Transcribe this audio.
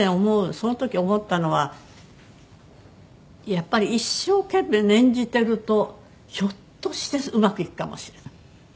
その時思ったのはやっぱり一生懸命念じてるとひょっとしてうまくいくかもしれない。